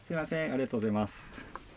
ありがとうございます。